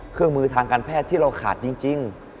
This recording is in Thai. เครื่องมือทางการแพทย์ที่เราขาดจริง